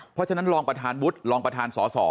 เพราะฉะนั้นรองประธานวุฒิรองประธานสส